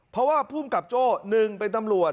เพราะว่าผู้กำกับโจ้นึงเป็นตำรวจ